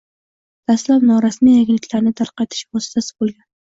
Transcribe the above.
Dastlab norasmiy yangiliklarni tarqatish vositasi bo‘lgan